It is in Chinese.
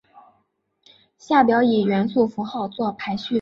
下表以元素符号作排序。